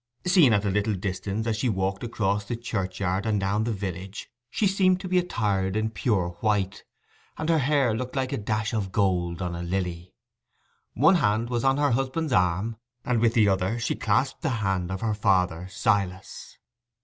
Seen at a little distance as she walked across the churchyard and down the village, she seemed to be attired in pure white, and her hair looked like the dash of gold on a lily. One hand was on her husband's arm, and with the other she clasped the hand of her father Silas.